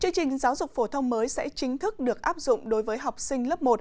chương trình giáo dục phổ thông mới sẽ chính thức được áp dụng đối với học sinh lớp một